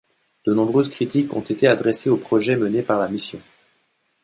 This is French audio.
De nombreuses critiques ont été adressés aux projets menés par la mission.